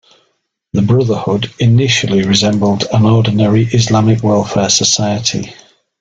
The Brotherhood initially resembled an ordinary Islamic welfare society.